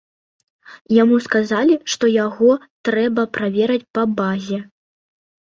Яму сказалі, што яго трэба праверыць па базе.